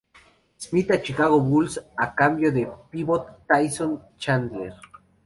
Smith a Chicago Bulls a cambio del pívot Tyson Chandler.